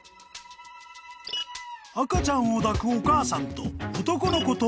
［赤ちゃんを抱くお母さんと男の子と女の子］